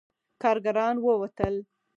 کارګران ووتل.